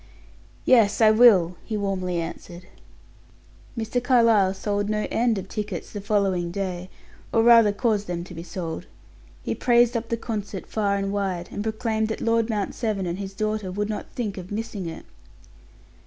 "Yes, I will," he warmly answered. Mr. Carlyle sold no end of tickets the following day, or rather caused them to be sold. He praised up the concert far and wide, and proclaimed that Lord Mount Severn and his daughter would not think of missing it.